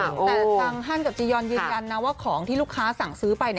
แต่ทางฮันกับจียอนยืนยันนะว่าของที่ลูกค้าสั่งซื้อไป